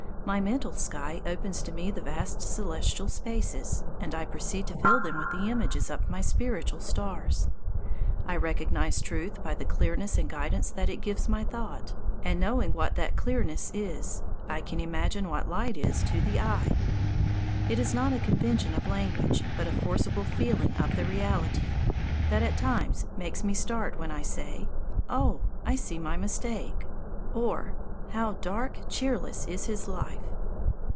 My mental sky opens to me the vast celestial spaces, and I proceed to fill them with the images of my spiritual stars. I recognize truth by the clearness and guidance that it gives my thought, and, knowing what that clearness is, I can imagine what light is to the eye. It is not a convention of language, but a forcible feeling of the reality, that at times makes me start when I say, "Oh, I see my mistake!" or "How dark, cheerless is his life!"